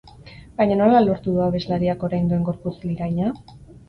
Baina nola lortu du abeslariak orain duen gorputz liraina?